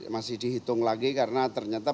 masih dihitung lagi karena ternyata